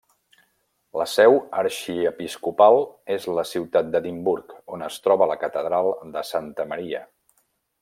La seu arxiepiscopal és la ciutat d'Edimburg, on es troba la catedral de Santa Maria.